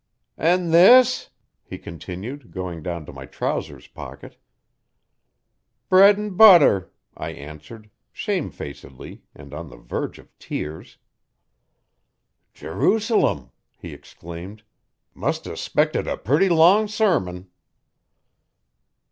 'An' this,' he continued going down to my trousers pocket. 'Bread an' butter,' I answered, shamefacedly, and on the verge of tears. 'Jerusalem!' he exclaimed, 'must a 'spected a purty long sermon.